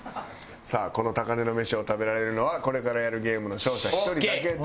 さあこの高値の飯を食べられるのはこれからやるゲームの勝者１人だけです。